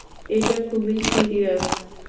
এটা খুবই সিরিয়াস।